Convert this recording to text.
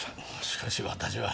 しかし私は。